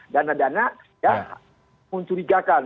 dana dana ya mencurigakan